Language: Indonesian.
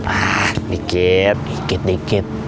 ah dikit dikit dikit